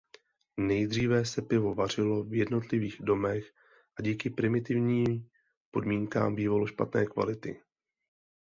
Nejdříve se pivo vařilo v jednotlivých domech a díky primitivní podmínkám bývalo špatné kvality.